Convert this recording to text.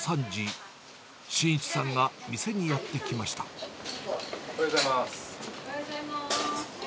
午後３時、おはようございます。